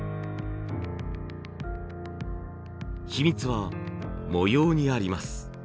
秘密は模様にあります。